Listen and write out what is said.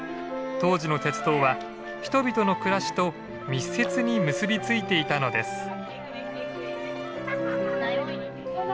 当時の鉄道は人々の暮らしと密接に結びついていたのです。